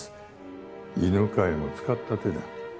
犬飼も使った手だ。